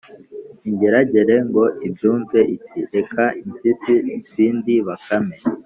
ingeragere ngo ibyumve iti: “reka mpyisi sindi bakame